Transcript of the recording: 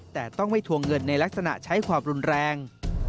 แต่ต้องไม่ทวงเงินในลักษณะใช้ความรุนแรง